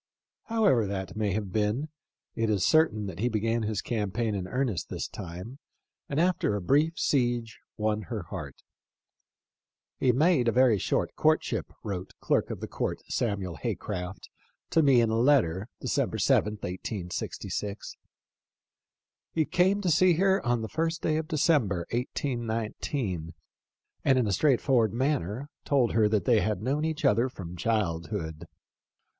However that may have been, it is certain that he began his campaign in earnest this time, and after a brief siege won her heart. " He made a very short courtship," wrote Samuel Hay craft* to me in a letter, December 7, 1866. "He came to see her on the first day of December, 1819, and in a straightforward manner told her that they had known each other from childhood.